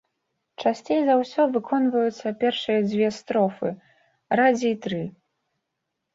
Часцей за ўсё выконваюцца першыя дзве строфы, радзей тры.